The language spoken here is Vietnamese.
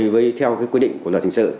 bởi theo quy định của luật hình sự